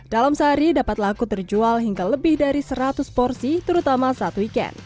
dalam sehari dapat laku terjual hingga lebih dari seratus porsi terutama satu weekend